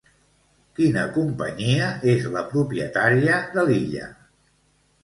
Quina companyia és la propietària de l'illa?